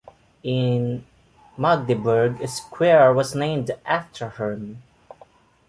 In Magdeburg a square was named after him.